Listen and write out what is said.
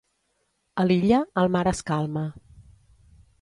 A l'illa, el mar es calma.